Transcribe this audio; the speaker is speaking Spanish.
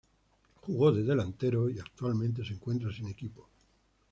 Jugó de delantero y actualmente se encuentra sin equipo.